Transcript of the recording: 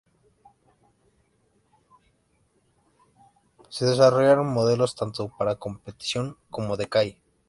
Se desarrollaron modelos tanto para competición como de calle.